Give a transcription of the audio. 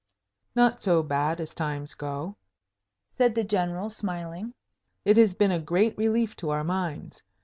"Not so bad, as times go," said the General, smiling. "It has been a great relief to our minds.